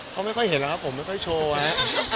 เค้าไม่ค่อยเห็นละครับผมไม่ค่อยโชว์ไง